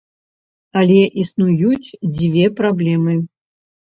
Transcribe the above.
Але існуюць дзве праблемы.